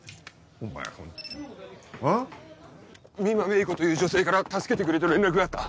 美馬芽衣子という女性から助けてくれと連絡があった。